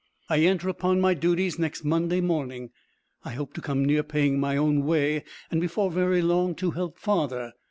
I enter upon my duties next Monday morning. I hope to come near paying my own way, and before very long to help father.